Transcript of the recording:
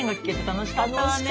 楽しかったわ。